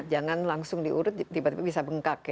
jangan langsung diurut tiba tiba bisa bengkak ya